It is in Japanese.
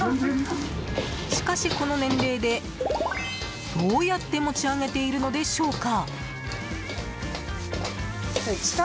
しかし、この年齢でどうやって持ち上げているのでしょうか？